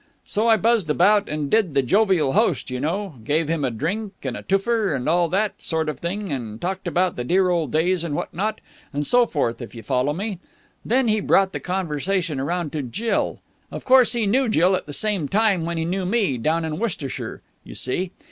So I buzzed about and did the jovial host, you know; gave him a drink and a toofer, and all that sort of thing; and talked about the dear old days and what not. And so forth, if you follow me. Then he brought the conversation round to Jill. Of course he knew Jill at the same time when he knew me, down in Worcestershire, you see.